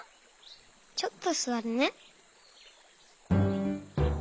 ちょっとすわるね。